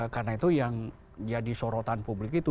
karena itu yang jadi sorotan publik itu